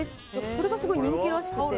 これがすごい人気らしくて。